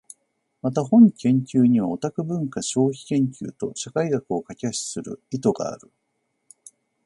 また、本研究にはオタク文化消費研究と社会学を架橋する意図がある。